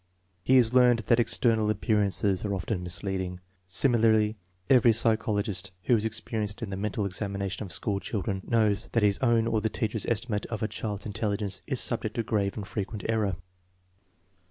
He has learned that external appearances are often misleading. Similarly, every psychologist who is experienced in the mental examination of school children knows that his own or the teacher's estimate of a child's intelligence is subject to grave and frequent error.